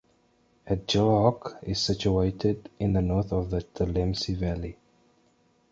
Adjelhoc is situated in the north of the Tilemsi Valley.